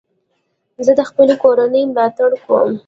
زه د خپلي کورنۍ ملاتړ کوم.